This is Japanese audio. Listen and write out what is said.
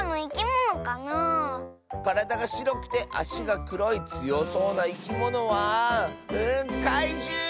からだがしろくてあしがくろいつよそうないきものはかいじゅう！